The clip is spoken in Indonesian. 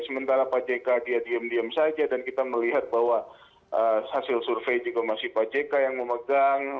sementara pak jk dia diam diam saja dan kita melihat bahwa hasil survei juga masih pak jk yang memegang